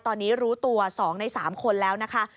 ตอนนี้รู้ตัว๒ใน๓คนแล้วนะคะ